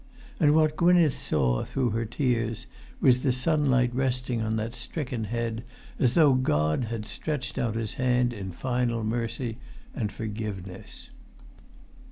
And what Gwynneth saw, through her tears, was the sunlight resting on that stricken head, as though God had stretched out His hand in final mercy and forgiveness.